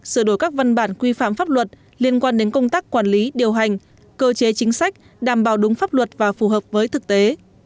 sửa đổi các văn bản quy phạm pháp luật liên quan đến công tác quản lý điều hành cơ chế chính sách đảm bảo đúng pháp luật và phù hợp với thực tế